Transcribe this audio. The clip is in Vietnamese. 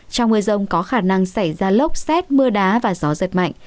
trong mưa rông có khả năng xảy ra lốc xét mưa đá và gió giật mạnh